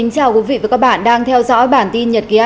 cảm ơn các bạn đã theo dõi